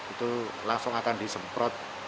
itu langsung akan disemprot